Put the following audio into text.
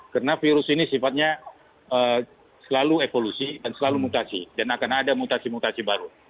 karena virus ini sifatnya selalu evolusi dan selalu mutasi dan akan ada mutasi mutasi baru